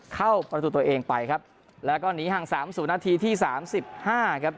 เข้าประตูตัวเองไปครับแล้วก็หนีห่าง๓๐นาทีที่๓๕ครับ